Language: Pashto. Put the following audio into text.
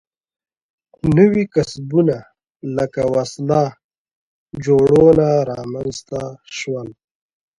نوي کسبونه لکه وسله جوړونه رامنځته شول.